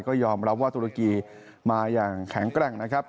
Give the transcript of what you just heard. ก็ยอมรับว่าตุรกีมาอย่างแข็งแกร่งนะครับ